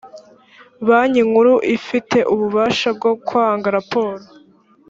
banki nkuru ifite ububasha bwo kwanga raporo.